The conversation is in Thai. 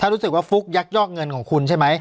รู้สึกว่าฟุ๊กยักยอกเงินของคุณใช่ไหม